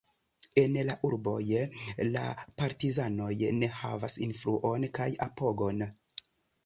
En la urboj la partizanoj ne havis influon kaj apogon.